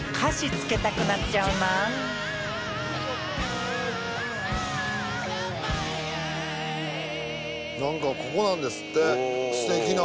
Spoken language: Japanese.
つけたくなっちゃうな燭ここなんですってステキな。